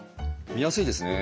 見やすいですね。